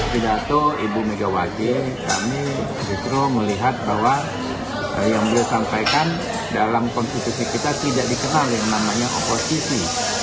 pidato ibu megawati kami justru melihat bahwa yang beliau sampaikan dalam konstitusi kita tidak dikenal yang namanya oposisi